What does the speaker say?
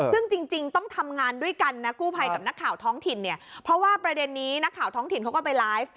ซึ่งจริงต้องทำงานด้วยกันนะกู้ภัยกับนักข่าวท้องถิ่นเนี่ยเพราะว่าประเด็นนี้นักข่าวท้องถิ่นเขาก็ไปไลฟ์